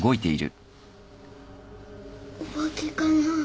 お化けかな。